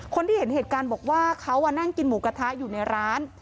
คนที่เห็นเหตุการณ์บอกว่าเขานั่งกินหมูกระทะอยู่ในร้าน